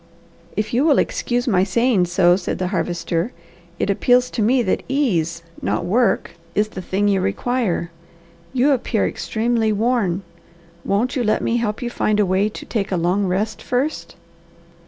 "If you will excuse my saying so," said the Harvester, "it appeals to me that ease, not work, is the thing you require. You appear extremely worn. Won't you let me help you find a way to a long rest first?"